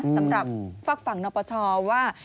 สำหรับฝากฝั่งนปชว่า